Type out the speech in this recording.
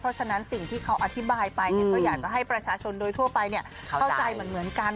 เพราะฉะนั้นสิ่งที่เขาอธิบายไปก็อยากจะให้ประชาชนโดยทั่วไปเข้าใจเหมือนกัน